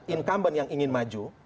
incumbent yang ingin maju